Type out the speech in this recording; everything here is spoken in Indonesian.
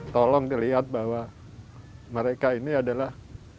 tolong dilihat bahwa mereka ini adalah